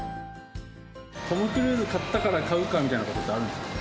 トム・クルーズ買ったから買うかみたいな事ってあるんですか？